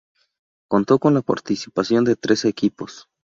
Contó con la participación de trece equipos.